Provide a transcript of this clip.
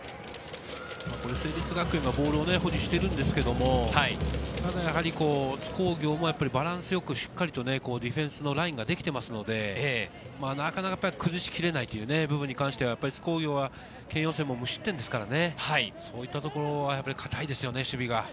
成立学園がボールを保持しているんですけれども、ただやはり津工業もバランスよく、しっかりとディフェンスのラインができていますので、なかなか崩しきれないという部分に関しては、津工業は、県予選も無失点ですからね、そういったところは堅いですよね、守備が。